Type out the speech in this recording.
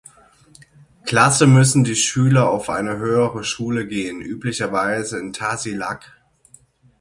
Klasse müssen die Schüler auf eine höhere Schule gehen, üblicherweise in Tasiilaq.